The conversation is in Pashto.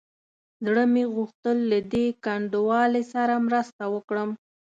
زړه مې وغوښتل له دې کنډوالې سره مرسته وکړم.